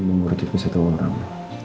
memurhutiku satu orang